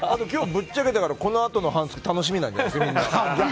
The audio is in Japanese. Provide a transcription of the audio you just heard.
今日はぶっちゃけたからこのあとの半月楽しみですね。